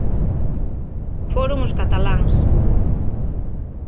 Foron os cataláns.